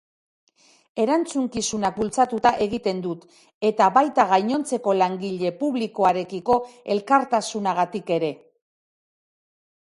Erantzunkizunak bultzatuta egiten dut eta baita gainontzeko langile publikoarekiko elkartasunagatik ere.